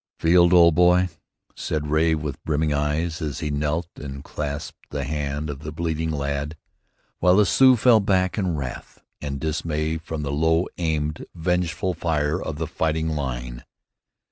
"Field, old boy," said Ray, with brimming eyes, as he knelt and clasped the hand of the bleeding lad, while the Sioux fell back in wrath and dismay from the low aimed, vengeful fire of the fighting line.